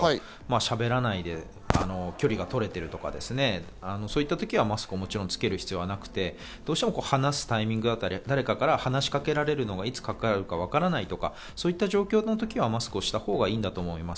しゃべらないで距離が取れているとか、そういった時にはマスクをもちろんつける必要はなくて、どうしても話すタイミングだったり、誰かから話し掛けられるのがいつか分からないという時にはマスクをしたほうがいいんだと思います。